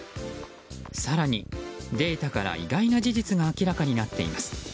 更に、データから意外な事実が明らかになっています。